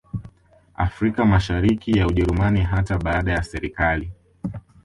Afrika Mashariki ya Ujerumani hata baada ya serikali